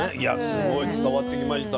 すごい伝わってきました。